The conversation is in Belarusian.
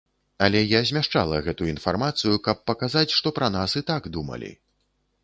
Але я змяшчала гэту інфармацыю, каб паказаць, што пра нас і так думалі.